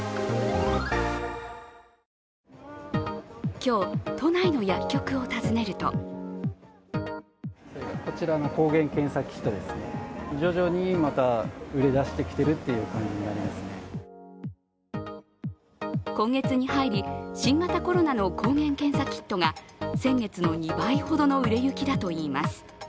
今日、都内の薬局を訪ねると今月に入り、新型コロナの抗原検査キットが先月の２倍ほどの売れ行きだといいます。